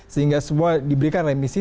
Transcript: sehingga semua diberikan remisi